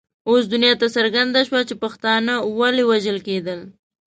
اوس دنیا ته څرګنده شوه چې پښتانه ولې وژل کېدل.